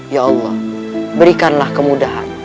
ya allah berikanlah kemudahan